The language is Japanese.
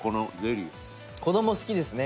玉森：子供、好きですね